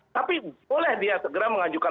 tapi boleh dia segera mengajukan